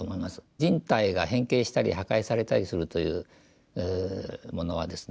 人体が変形したり破壊されたりするというものはですね